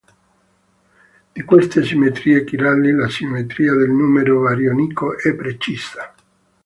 Di queste simmetrie chirali, la simmetria del numero barionico è precisa.